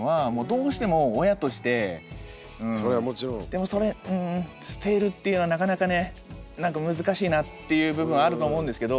でもそれうん捨てるっていうのはなかなかねなんか難しいなっていう部分はあると思うんですけど。